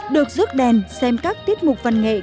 được rước đèn xem các tiết mục văn nghiệp